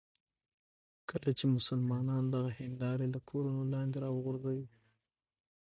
کله چې مسلمانان دغه هندارې له کورونو لاندې راوغورځوي.